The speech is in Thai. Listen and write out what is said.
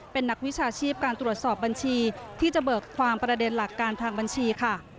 เป็นนักวิชาชีพการตรวจสอบบัญชีที่จะเบิกความประเด็นหลักการทางบัญชีค่ะ